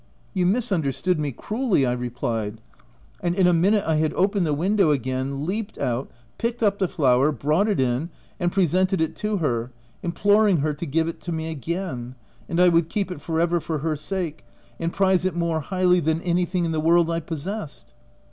* You misunderstood me, cruelly," I replied, OF WILDFELL HALL. 329 and in a minute I had opened the window again, leaped out, picked up the flower, brought it in, and presented it to her, imploring her to give it me again, and I would keep it for ever for her sake, and prize it more highly than anything in the world I possessed.